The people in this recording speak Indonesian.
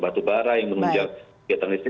batu bara yang menunjang